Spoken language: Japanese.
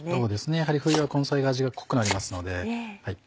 やはり冬は根菜が味が濃くなりますので。